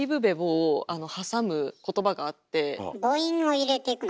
母音を入れていくの？